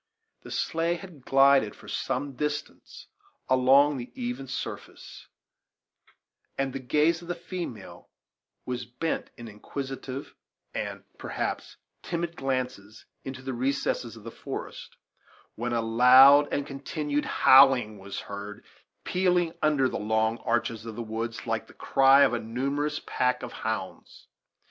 The sleigh had glided for some distance along the even surface, and the gaze of the female was bent in inquisitive and, perhaps, timid glances into the recesses of the forest, when a loud and continued howling was heard, pealing under the long arches of the woods like the cry of a numerous pack of hounds.